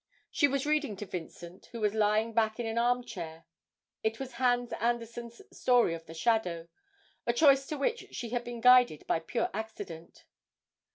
She was reading to Vincent, who was lying back in an arm chair; it was Hans Andersen's 'Story of the Shadow,' a choice to which she had been guided by pure accident.